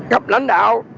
gặp lãnh đạo